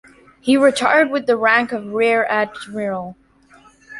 He retired with the rank of Rear Admiral.